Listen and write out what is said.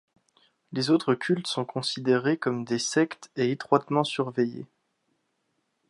Les autres cultes sont considérés comme des sectes et étroitement surveillés.